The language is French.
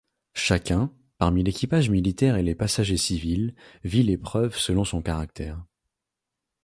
Chacun, parmi l'équipage militaire et les passagers civils, vit l'épreuve selon son caractère.